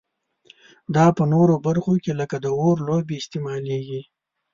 دا په نورو برخو کې لکه د اور لوبې استعمالیږي.